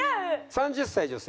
３０歳女性。